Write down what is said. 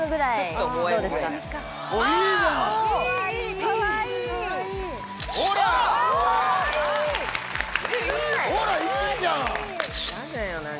いいよ！